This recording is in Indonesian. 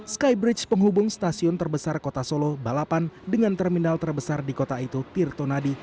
skybridge penghubung stasiun terbesar kota solo balapan dengan terminal terbesar di kota itu tirtonadi